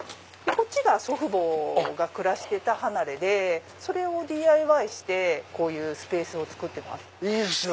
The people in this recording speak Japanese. こっちが祖父母が暮らしてた離れでそれをＤＩＹしてスペースをつくってもらった。